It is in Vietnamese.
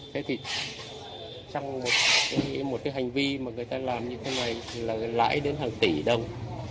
thế thì trong một cái hành vi mà người ta làm như thế này là lãi đến hàng tỷ đồng